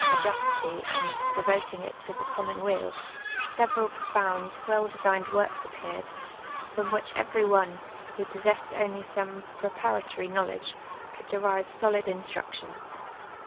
sagacity and devotinjj^ it to the 'onimon weal, several profound, well desi^ied works appeared, Voin which every one, who j)ossess(>d only some j)repanitory vnowle(l<;e, could derive solid instruction.